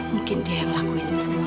mungkin dia yang lakuin semua